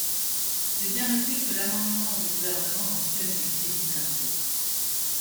J’ai bien noté que l’amendement du Gouvernement mentionne les crédits d’impôt.